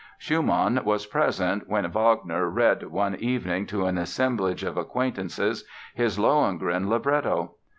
Schumann was present when Wagner read one evening to an assemblage of acquaintances his "Lohengrin" libretto.